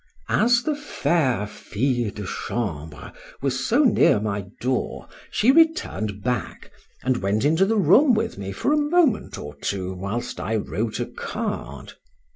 As the fair fille de chambre was so near my door, she returned back, and went into the room with me for a moment or two whilst I wrote a card.